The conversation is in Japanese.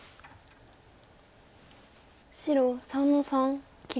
白３の三切り。